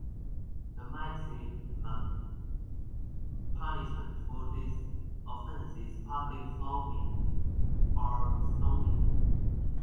The maximum punishment for this offence is public flogging or stoning.